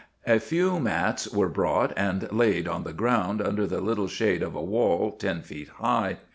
A few mats were brought and laid on the ground, under the little shade of a wall, ten feet high.